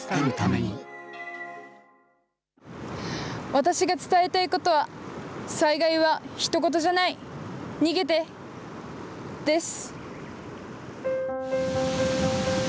私が伝えたいことは、災害は人ごとじゃない、逃げて！です。